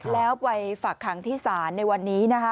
แล้วไปฝากคังที่สารในวันนี้